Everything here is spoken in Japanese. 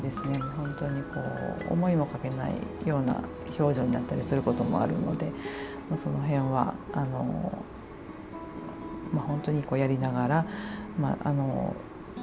本当にこう思いもかけないような表情になったりすることもあるのでその辺は本当にやりながら決めていくという形になりますね。